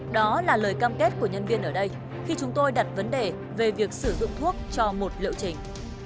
đó là lời cam kết của nhân viên ở đây khi chúng tôi đặt vấn đề về việc sử dụng thuốc cho một liệu trình